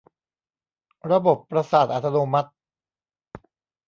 ระบบประสาทอัตโนมัติ